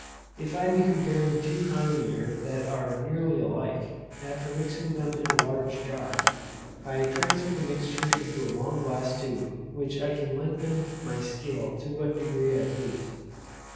If I be comparing two kinds of air that are nearly alike, after mixing them in a large jar, I transfer the mixture into a long glass tube, by which I can lengthen my scale to what degree I please.